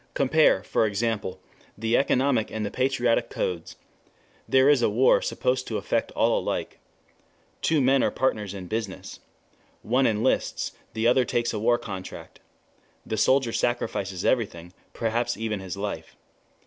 Compare, for example, the economic and the patriotic codes. There is a war supposed to affect all alike. Two men are partners in business. One enlists, the other takes a war contract. The soldier sacrifices everything, perhaps even his life.